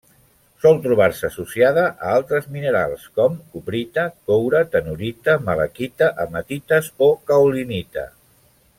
Sol trobar-se associada a altres minerals com: cuprita, coure, tenorita, malaquita, hematites o caolinita.